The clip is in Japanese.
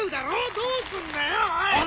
どうすんだよおい。